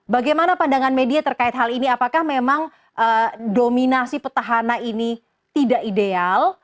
bagaimana pandangan media terkait hal ini apakah memang dominasi petahana ini tidak ideal